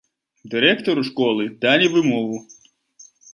Дырэктару школы далі вымову.